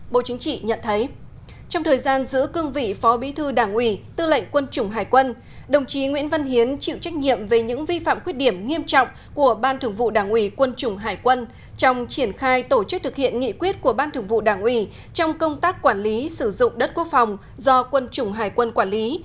bộ chính trị nhận thấy trong thời gian giữ cương vị phó bí thư đảng ủy tư lệnh quân chủng hải quân đồng chí nguyễn văn hiến chịu trách nhiệm về những vi phạm khuyết điểm nghiêm trọng của ban thường vụ đảng ủy quân chủng hải quân trong triển khai tổ chức thực hiện nghị quyết của ban thường vụ đảng ủy trong công tác quản lý sử dụng đất quốc phòng do quân chủng hải quân quản lý